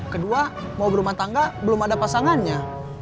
kedua mau berumah tangga belum ada pasangannya